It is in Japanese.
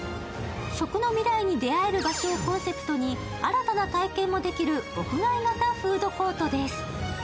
食の未来に出会える場所をコンセプトに新たな体験もできる屋外型フードコートです。